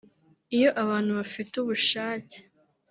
Iyo abantu bafite ubushake